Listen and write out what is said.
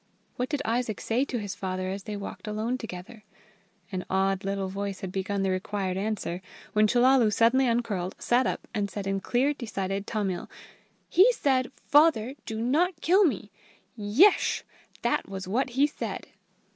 "What did Isaac say to his father as they walked alone together?" An awed little voice had begun the required answer, when Chellalu suddenly uncurled, sat up, and said in clear, decided Tamil: "He said, 'Father! do not kill me!' Yesh! that was what he said."